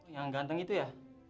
yang ganteng itu ya